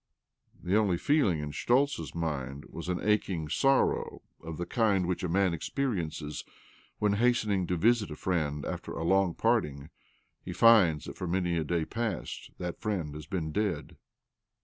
The only feeling in Schtoltz's mind was an aching sorrow of the kind which a man experiences when, hasten ing to visit a friend after a long parting, he finds that for many a day past that friend has been dead.